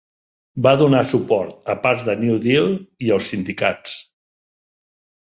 Va donar suport a parts del New Deal i els sindicats.